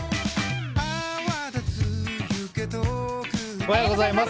おはようございます。